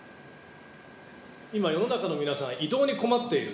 今、世の中の皆さん、移動に困っている。